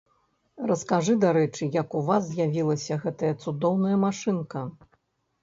Раскажы, дарэчы, як у вас з'явілася гэтая цудоўная машынка?